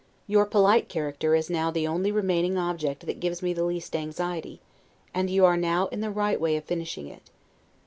Your polite character is now the only remaining object that gives me the least anxiety; and you are now in the right way of finishing it.